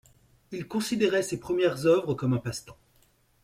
Il considérait ses premières œuvres comme un passe-temps.